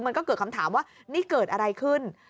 มันก็เกิดคำถามว่านี่เกิดอะไรขึ้น